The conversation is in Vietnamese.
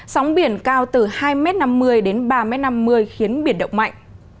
sóng biển cao từ hai năm m đến ba năm m khiến biển động mạnh